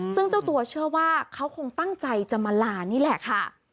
ซึ่งเจ้าตัวเชื่อว่าเขาคงตั้งใจจะมาลานี่แหละค่ะ